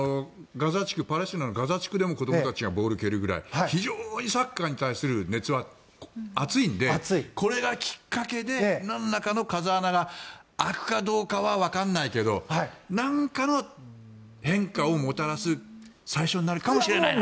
パレスチナのガザ地区でも子どもたちがボールを蹴るぐらい非常にサッカーに対する熱は熱いのでこれがきっかけでなんらかの風穴が開くかどうかはわからないけどなんかの変化をもたらす最初になるかもしれない。